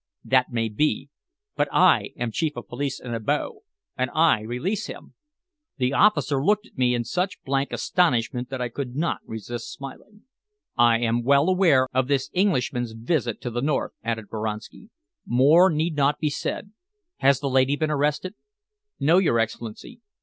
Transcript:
"That may be. But I am Chief of Police in Abo, and I release him." The officer looked at me in such blank astonishment that I could not resist smiling. "I am well aware of the reason of this Englishman's visit to the north," added Boranski. "More need not be said. Has the lady been arrested?" "No, your Excellency.